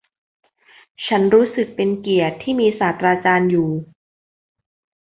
ฉันรู้สึกเป็นเกียรติที่มีศาสตราจารย์อยู่